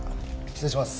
失礼します。